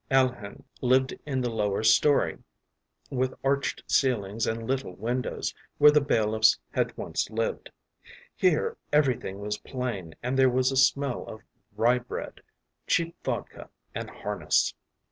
Alehin lived in the lower storey, with arched ceilings and little windows, where the bailiffs had once lived; here everything was plain, and there was a smell of rye bread, cheap vodka, and harness.